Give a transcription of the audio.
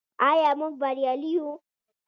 آیا موږ بریالي یو؟